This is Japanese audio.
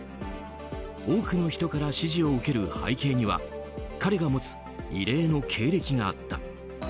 多くの人から支持を受ける背景には彼が持つ異例の経歴があった。